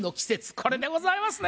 これでございますね。